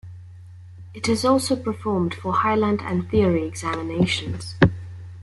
It is also performed for Highland and Theory examinations.